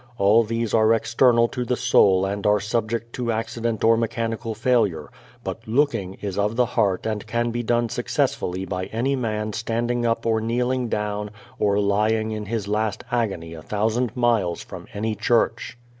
All these are external to the soul and are subject to accident or mechanical failure: but looking is of the heart and can be done successfully by any man standing up or kneeling down or lying in his last agony a thousand miles from any church.